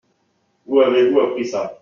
Où avez-vous appris ça ?